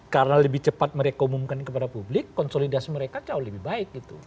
karena lebih cepat mereka umumkan kepada publik konsolidasi mereka jauh lebih baik gitu